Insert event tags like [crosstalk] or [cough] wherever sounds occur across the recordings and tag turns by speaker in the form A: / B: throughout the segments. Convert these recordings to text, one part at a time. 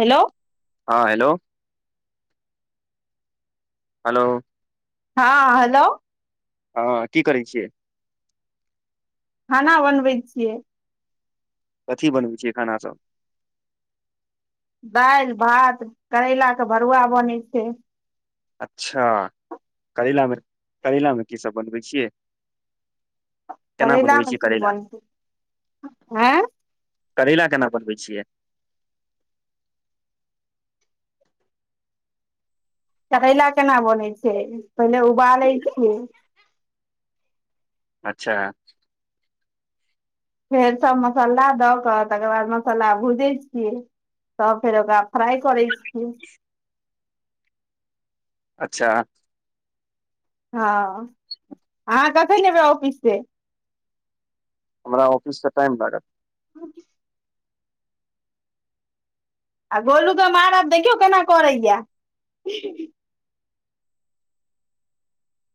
A: hello
B: हॅ hello hello
A: हँ hello
B: हाँ की करै छियै
A: खाना बनबै छियै
B: कथि बनबै छियै खाना सब
A: दालि भात करैला के भरुआ बनै छै
B: अच्छा करैलामे करैलामे की सब बनबै छियै केना
A: करैला
B: बनबै
A: मे
B: छियै
A: कि
B: करैला
A: बनतै आँ
B: करैला केना बनबै छियै
A: करैला केना बनै छै पहिले उबालै छीयै
B: अच्छा
A: फेर सभ मसाला दऽ कऽ तकर बाद मसाला भूजै छियै तब फेर ओकरा फ्राइ करै छी
B: [inaudible] अच्छा
A: हँ अहाँ कखन एबै ऑफिस से
B: हमरा ऑफिस के टाईम लागत
A: आ [unintelligible] आ गोलूके मारब देखियौ केना करैया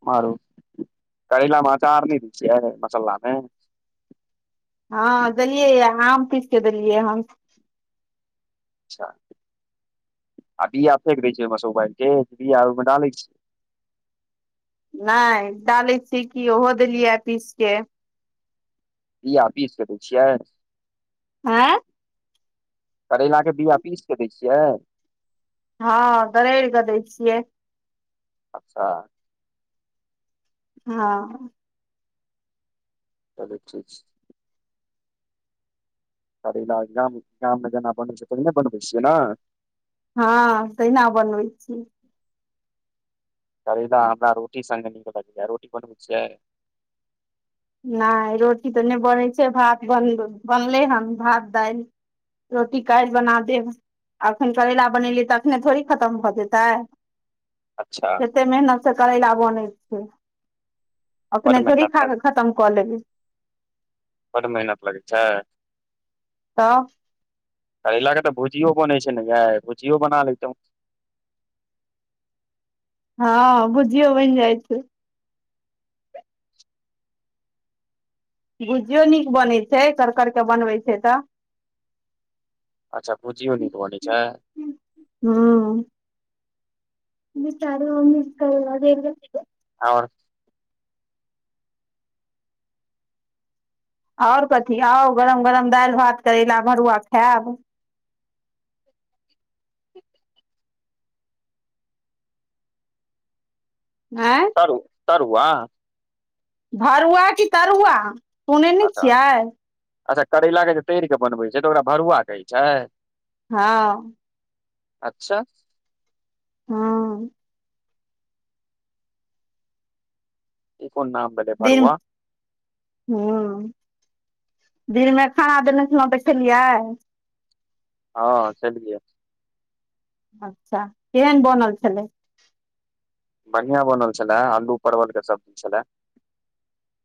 B: मारू करेला मे अचार नहि दै छियै मसलामे
A: हँ देलियै आम पीस के देलियै हन
B: अच्छा आ बिया फेक दै छै ओहिबाइल के बिया ओहिमे डालै छी
A: नहि डाले छीयै की ओहो देलियै पीस के
B: बिया पीसके दैछियै
A: आँ
B: करैलाक के बिया पीस के दै छियै
A: हँ दरेड़ कऽ दै छियै
B: अच्छा
A: हँ
B: तबे ठीक छै करैला गाम गाममे जेना बनबै छै तहनहि बनबै छियै ना
A: हँ तहिना बनबै छियै
B: करेला हमरा रोटी संगे नीक लगयै रोटी बनबै छियै
A: नहि रोटी तऽ नहि बनै छै भात बन बनलै हन भात दालि रोटी काल्हि बना देब अखन करैला बनेलियै तऽ अखने थोड़ी खत्म भऽ जेतै
B: अच्छा
A: कतेक मेहनतसँ करैला बनै छै
B: बड
A: अपने थोड़ी
B: मेहनत
A: खा
B: लगै
A: क खत्म कऽ लेबी
B: बड मेहनत लगै छै
A: तऽ
B: करैला के तऽ भुजियो बनै छै ने य भुजियो बना लेैतहुँ
A: हँ भुजियो बन जाइ छै भुजियो नीक बनैत छै करकर के बनबै छै तऽ
B: अच्छा भुजियो नीक बनै छै
A: ह्म विचार मिस कर [unintelligible] [inaudible]
B: आओर
A: आओर कथि आउ गरम गरम दालि भात करै भरुआ खायब एँ
B: तरू तरूआ
A: भरुआ कि तरुआ सुनै ने
B: अच्छा
A: छियै
B: अच्छा करैलाक के जे तर क बनबै छै तऽ ओकरा भरुआ कहैत छै
A: हँ
B: अच्छा
A: हँ
B: इ कोन नाम भेलै
A: दिन
B: भरुआ
A: हुँ दिनमे खाना देने छलहुँ देखेलियै
B: हँ खेलियै
A: अच्छा केहन बनल छलै
B: बढ़िया बनल छले आलू परवल के सब्जी छले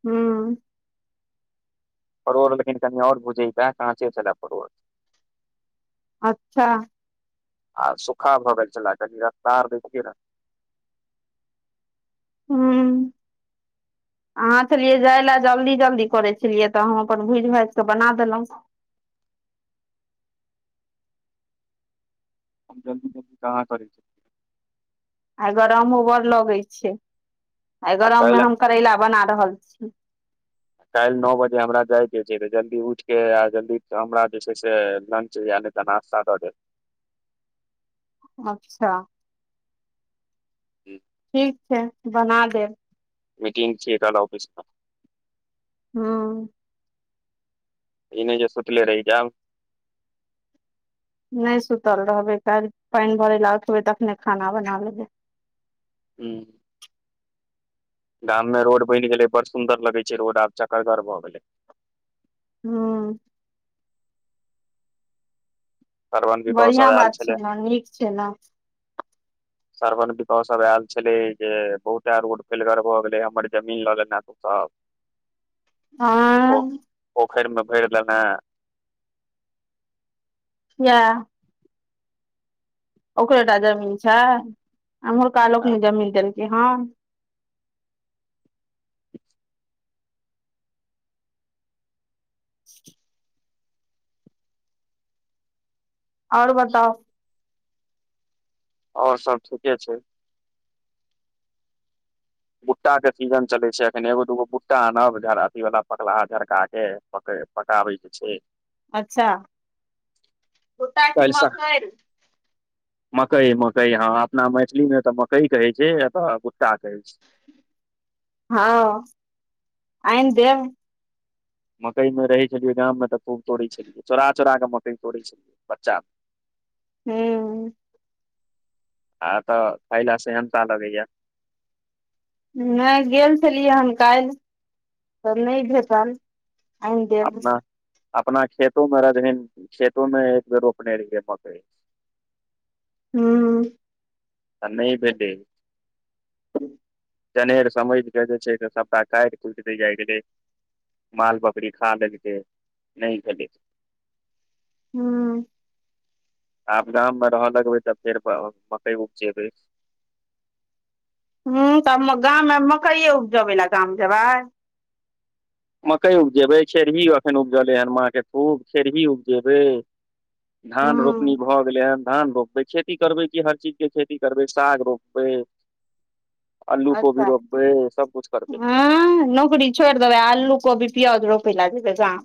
A: हुँ
B: परोड़ लेकिन कनि आओर बुझैके काँचे छलए परोड़
A: अच्छा
B: आ सुखार भऽ छल कनि रफतार देखियै ने [unintelligible]
A: हूंम्म अहाँ छलियै जाय लए जल्दी जल्दी करै छलियै तऽ हम अपन भूजि भाजि कऽ बना देलहुँ
B: हम जल्दी जल्दी कहाँ करै छी
A: आ गरमो बड़ लगे छै आ गरम मे हम करैला बना रहल छी ह [inaudible]
B: काल्हि नओ बजे हमरा जायके छै तऽ जल्दी उठके आ जल्दी हमरा जे छै से लंच या या नास्ता दऽ देब
A: अच्छा ठीक छै बना देब
B: मिटिंग छियै काल्हि ऑफीस मे
A: हूंम्म
B: इ नहि जे सुतले रही जेब
A: नहि सुतल रहबै काल्हि पानि भरै लबै तखने खाना बना लेबै
B: हूँ गाम मे रोड बनि गेलै बड़ सुंन्दर लगे छै रोड आब चकरगर भऽ गेले
A: हूंम्म
B: श्रवण विकास
A: बढ़िआँ
B: सब आयल
A: बात छै
B: छलै
A: ने नीक छै ने
B: सणिक सब आयल छले जे बहुते रोड फेलगर भऽ गेले हमर जमीन लऽ ले सब
A: हँ
B: ओ पोखरिमे भैर ल ने
A: किये ओकरेटा जमीन छै अम्हुरका लोकनै जमीन देलकै हन [inaudible] आओर बताउ
B: आओर सब ठीके छै भुट्टा के सीजन चले छै एखन एगो दूगो भुट्टा आनब अथी वालला पकला झरका के पकाबे छै छै
A: अच्छा भुट्टा की मकइ
B: मकइ मकइ हँ अपना मैथिली मे तऽ मकइ कहै छै एतऽ गुट्टा कहै छै
A: हँ आइन देब
B: मकइ मे रहे छलियै गाम मे त खूब तोड़े छलियै चोरा चोरा के मकइ तोड़ै छलियै बच्चा
A: हूंम्म
B: आ अतऽ खायला सेहंता लगैया
A: नहि गेल छलियै हन काल्हि तऽ नहि भेटल आनि देब
B: अपना अपना खेतो मे रह खेतो मे एक बेर रोपने रहियै मकइ
A: हूंम्म
B: तऽ नहि भेलै
A: ह्म [inaudible]
B: जनेर समझ कऽ जे छै से सभटा काटि कुटि दैय जाइ गेलै माल बकरी खा लेलकै नहि भेलै
A: हूंम्म
B: आब गाम मे रहऽ लगबै तऽ फेर मकइ उपजेबै
A: उंम्म तऽ गाममे मकइए उपजबै लए गाम जेबै
B: मकइ उपजेबै खेरभी अखन उपजले हन माँ के खूब खेरभी उपजेबै धान रोपनी
A: हूँ
B: भऽ गेलै हन धान रोपबै खेत खेती करबै कि हर चीज के खेती करबै साग रोपबै आलू कोबी
A: अच्छा
B: रोपबै सब कुछ करबै
A: हँ नौकरी छोड़ि देबै आलू कोबी प्यज रोपे लए देबै गाम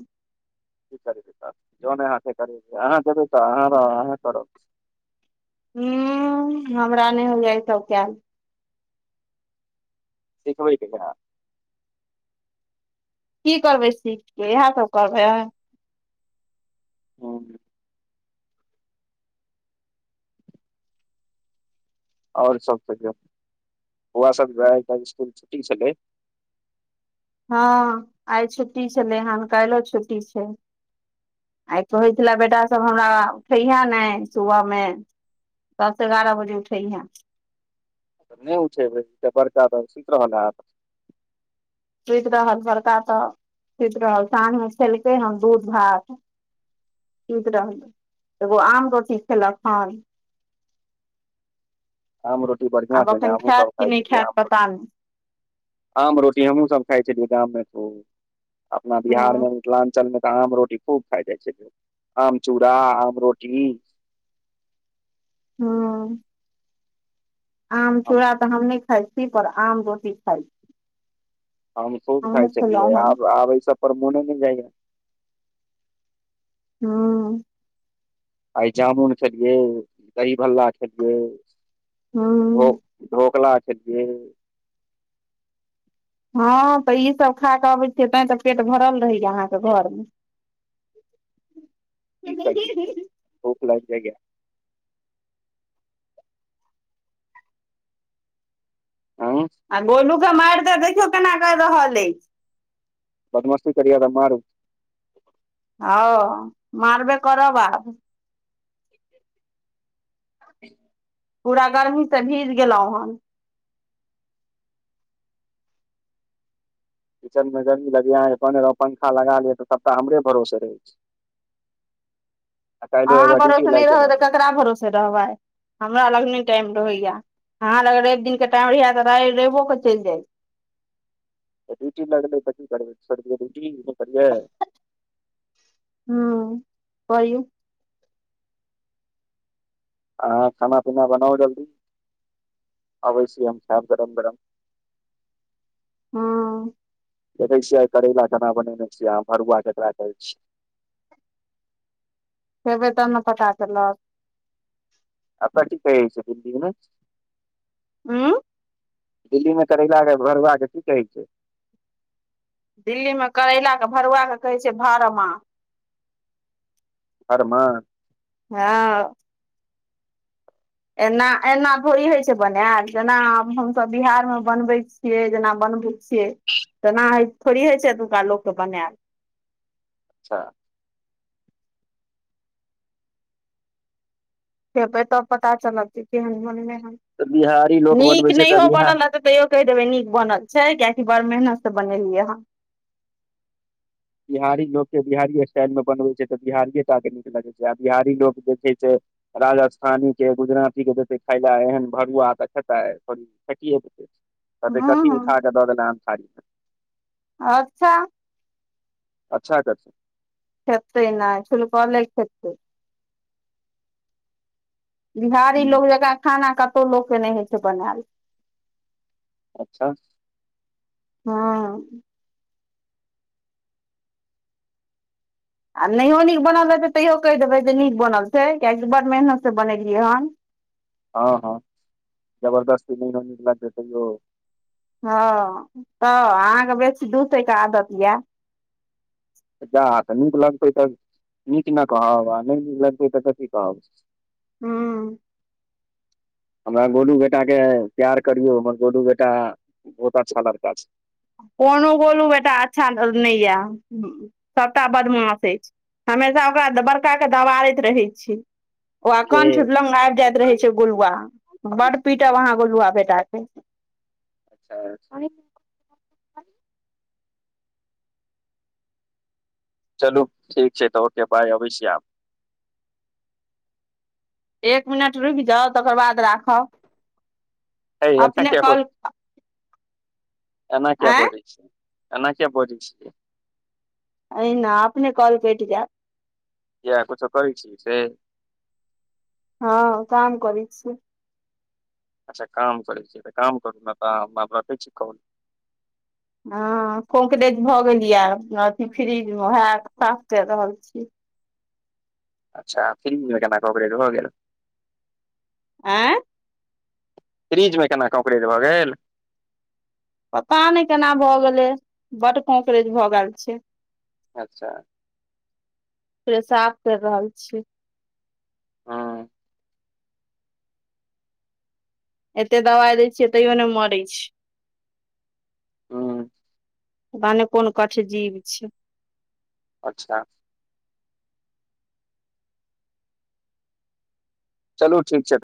B: की करबी तऽ जोने हाथे कर अहाँ देबै तऽ अहाँ रह अह कर
A: ह हमरा नहि हो जा तौ कल
B: से खबरी कह ने
A: की करबै सीख के इएह सब करबै
B: ह [inaudible] आओर सब बौआ सब स्कुल छुट्टी छलै
A: हँ आइ छुट्टी छलै हन काल्हि यो छुट्टी छै आइ कहै छले बेटासब हमरा उठेहे ने सुबह मे दस एगारह बजे उठै हहैं
B: तऽ नहि उठेब बड़का तऽ सुति रहल ह
A: सुति रहल बड़का तऽ सुति रहल साँझ मे खेलकै ह दूध भात सुत रहल एगो आम रोटी खेलक हन
B: आम रोटी बढ़आ
A: आब
B: छै ने
A: अखन
B: आम
A: खायत
B: सब
A: कि
B: खाय
A: नहि
B: छै
A: खायत
B: आम रोटी
A: पता नहि
B: आम रोटी हमहूँ सब खाइ छी गाममे त अपना
A: हँ
B: बिहारमे मिथिलाञ्चल मे तऽ आम रोटी खूब खा जाइ छै लोग आम चूड़ा आम रोटी
A: हूंम्म आम चूड़ा तऽ हम नहि खाइ छी पर आम रोटी खाइ छी
B: हम खूब
A: हमहुँ
B: खााय
A: खेलहुँ
B: छलियै
A: हन
B: आब आब ऐ सब पर मोने नहि जाइया
A: हँ
B: आइ जामुन खेलियै दही भल्ला खेलियै भो
A: हूँ
B: ढोकला छै जे
A: हँ तऽ ई सब खा कऽ अबै छियै तैं तऽ पेट भरल रहैया अहाँके घरमे [inaudible]
B: की सगेत भोख लग जागय आँय
A: आ गोलू के मारि तऽ देखियौ केना कर रहल अछि
B: बद्मस्ती करियाद मारू
A: हँ मारबे करब आब
B: [inaudible] [inaudible]
A: पूरा गर्मी से भीज गेलहुं हेन
B: किचन मे जमी लगिया पंखा लगा ले तऽ सबटा हमरे भरोसे रहै छै
A: अहाँ
B: एकटा ड्यूटी
A: भरोसे नहि
B: लागि गेल
A: रहबै तऽ
B: हमरा
A: ककरा भरोसे रहबै हमरा लग नहि टाइम रहैया अहाँ लग रवि दिनके टाइम रहैया तऽ रा रवियोकेऽ चलि जाइ
B: रीटी ल पी रीटी करीयै
A: हू करू
B: अहाँ खाना पीना बनाउ जल्दी अबै छी हम खायब गरम गरम
A: हूंम्म
B: देखै छिय आ करैला केना बनेने छियै आ भरुआ केकरा कहै छियै
A: खेबै तब ने पता चलते
B: कते छै दिल्ली मे
A: उंम्म
B: दिल्ली मे करैला के भरुआ के की कहै छै
A: दिल्ली मे करैलाक के भरुआके कहै छै भड़मा
B: भरमा [inaudible]
A: हँ एना एना थोड़ी होइ छै बनायल जेना आब हमसभ बिहारमे बनबै छियै जेना बनबे छिय तना थोड़ी होइ छै एनुका लोकके बनायल
B: अच्छा [unintelligible]
A: खेबै तब पता चलत छै केहन मोनमे ह
B: तऽ बिहारी लोक
A: नीक
B: बनबै छै तऽ
A: नहिय
B: बिहार
A: बनल हन तयो कहि देबै नीक बनल छै कियाकि बड़ मेहनत से बनेलियै हँ
B: बिहारी लोकके बिहारी स्टाइल मे बनबै छै तऽ बिहारीए टा के नीक लगै छै आ बिहारी लोक जे छै से राजस्थानी के गुजराती के देतैेे खायला एहन भरुआ तऽ खेतै थोरी कहतै
A: हँ
B: कथी
A: हँ
B: उठा कऽ दऽ देल हन थारी मे
A: अच्छा
B: अच्छा कथि
A: खेतै नहि छुल्कले खेतै बिहारी
B: हूं
A: लोक जकाँ खाना कतहु लोक के नहि होइ छै बनाइल
B: अच्छा
A: हँ आ नहियो नीक बनल रहत तैयो कहि देबै जे नीक बनल छै किआकि बड़ मेहनत से बनेलियै हन
B: हँ हँ जबरदस्ती नहियो नीक लगतै तयो
A: हँ तऽ अहाँके बेसी दूसे के आदत यऽ
B: जा तऽ नीक लगतै तऽ नीक ने कहब आ नहि नीक लगतै तऽ कथी कहब
A: हुँ
B: हमरा गोलू बेटा के प्यार करियो हमर गोलू बेटा बहुत अच्छा लड़का छै
A: कोनो बोलू बेटा अच्छा नइ य सभटा बदमाश अछि हमेशा ओकरा बड़का के दबारैत रहै छै ओह
B: के
A: कंठ लग आब जाइत रहै छै गुलुआ बड पीट यहाँ गुलुआ बेटा के
B: अचछा [inaudible] आय चलू ठीक छै तऽ ओके बाय अबय छी आब
A: एक मिनट रुकि जाउ तकर बाद राखब
B: हेय एना
A: अपने
B: करे छिये
A: कॉल
B: एना किया
A: आँय
B: बजैय एना किया बजे छिऐ
A: एहिना अपने कॉल कटि जैत
B: किया कुछो करै छिये से
A: हँ काम करे छिये
B: काम करै छिये काम करू तऽ अपन रखै छिऐ कॉल
A: हँ कोकेज भऽ गेलिय य अथ फ्रिज मेए साफ कर रहल छी
B: अच्छा फ्रिज मे कोना कोकरेट भऽ गेल
A: आय
B: फ्रिज मे केना ककरेद भऽ गेल
A: पता नहि केना भए गेलै बड कोकरेज भए गेल छै
B: अच्छा
A: पुरे साफ कैर रहल छीयै
B: हूँ
A: एते दबाई दै छियै तैयो नइ मरै छै
B: हूँ
A: बने कोन कठ जीव छिये
B: अच्छा चलू ठीक छै